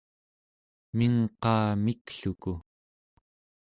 mingqaa mikluku